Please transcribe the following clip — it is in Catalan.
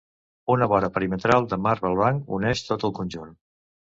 Una vora perimetral de marbre blanc uneix tot el conjunt.